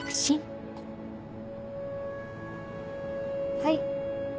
・はい。